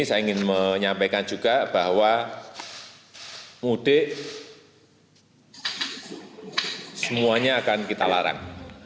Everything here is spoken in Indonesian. saya ingin menyampaikan juga bahwa mudik semuanya akan kita larang